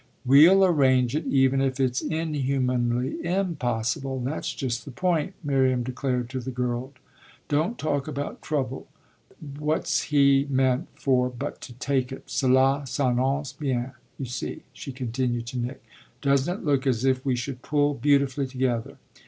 "We'll arrange it even if it's inhumanly _im_possible that's just the point," Miriam declared to the girl. "Don't talk about trouble what's he meant for but to take it? Cela s'annonce bien, you see," she continued to Nick: "doesn't it look as if we should pull beautifully together?"